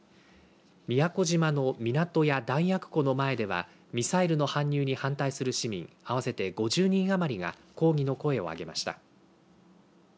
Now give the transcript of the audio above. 宮古島の港や弾薬庫の前ではミサイルの搬入に反対する市民合わせて５０人余りが抗議の声を上げました。